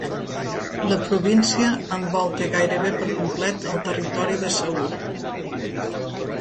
La província envolta gairebé per complet el territori de Seül.